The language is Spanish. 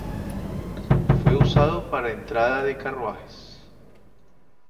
Fue usado para entrada de carruajes.